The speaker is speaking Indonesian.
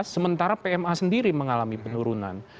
sementara pma sendiri mengalami penurunan